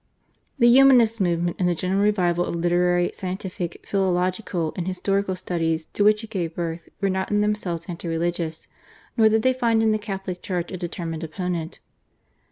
The Humanist movement and the general revival of literary, scientific, philological and historical studies to which it gave birth were not in themselves anti religious, nor did they find in the Catholic Church a determined opponent.